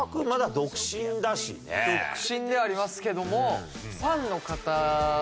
独身ではありますけども。